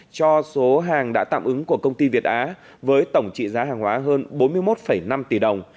cho số hàng đã tạm ứng của công ty việt á với tổng trị giá hàng hóa hơn bốn mươi một năm tỷ đồng